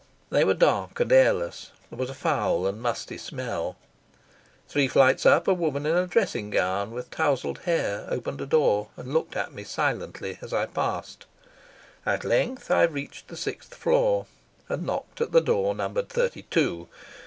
They were dark and airless. There was a foul and musty smell. Three flights up a Woman in a dressing gown, with touzled hair, opened a door and looked at me silently as I passed. At length I reached the sixth floor, and knocked at the door numbered thirty two.